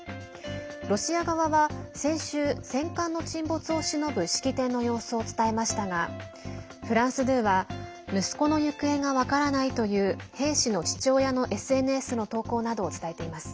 ロシア側は先週戦艦の沈没をしのぶ式典の様子を伝えましたがフランス２は息子の行方が分からないという兵士の父親のＳＮＳの投稿などを伝えています。